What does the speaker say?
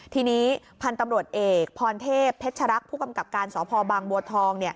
ทีนี้พันธุ์ตำรวจเอกพรเทพเพชรักษผู้กำกับการสพบางบัวทอง